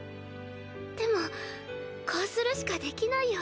でもこうするしかできないよ